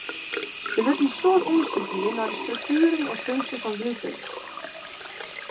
Der wurdt in soad ûndersyk dien nei de struktueren en funksje fan gluten.